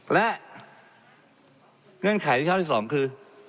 และเงื่อนไขที่ข้าวที่สองคือ